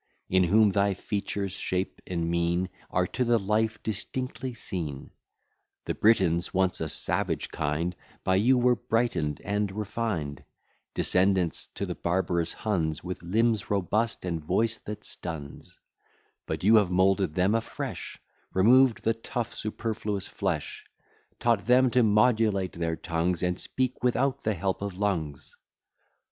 In whom thy features, shape, and mien, Are to the life distinctly seen! The Britons, once a savage kind, By you were brighten'd and refined, Descendants to the barbarous Huns, With limbs robust, and voice that stuns: But you have moulded them afresh, Removed the tough superfluous flesh, Taught them to modulate their tongues, And speak without the help of lungs.